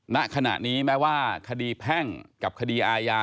ณขณะนี้แม้ว่าคดีแพ่งกับคดีอาญา